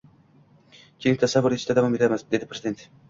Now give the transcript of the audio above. Keling, tasavvur etishda davom etamiz – dedi Prezident.